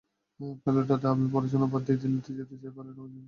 Pilot দাদা, আমি পড়াশোনা বাদ দিয়ে দিল্লী যেতে চাই পাইলট হবার জন্য।